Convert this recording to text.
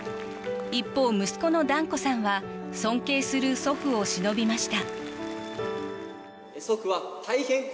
一方、息子の團子さんは尊敬する祖父をしのびました。